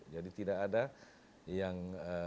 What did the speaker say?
jadi tidak ada yang